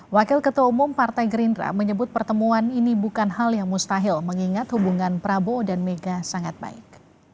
wakil ketua umum partai gerindra menyebut pertemuan ini bukan hal yang mustahil mengingat hubungan prabowo dan mega sangat baik